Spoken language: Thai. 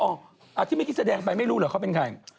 หลังจากที่ไม่คิดแสดงไปไม่รู้เหรอเขาเป็นใคร